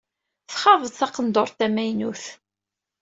Txaḍ-d taqendurt tamaynut.